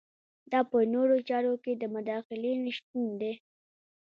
دا په نورو چارو کې د مداخلې نشتون دی.